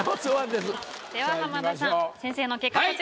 では浜田さん先生の結果こちらです。